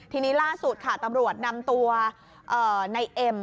ทีนี้ล่าสุดค่ะตำรวจนำตัวในเอ็ม